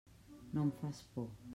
No em fas por.